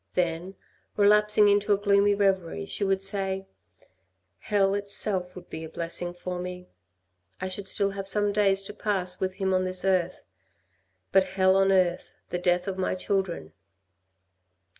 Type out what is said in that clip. Then, relapsing into a gloomy reverie, she would say, " Hell itself would be a blessing for me. I should still have some days to pass with him on this earth, but hell on earth, the death of my children.